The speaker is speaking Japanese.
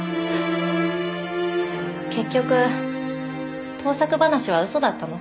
結局盗作話は嘘だったの？